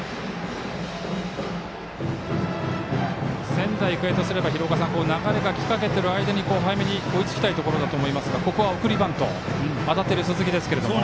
仙台育英とすれば流れがきかけている間に早めに追いつきたいところだと思いますがここは送りバント当たっている鈴木ですが。